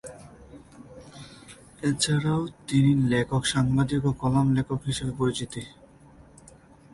এছাড়াও তিনি লেখক, সাংবাদিক ও কলাম লেখক হিসেবে পরিচিত।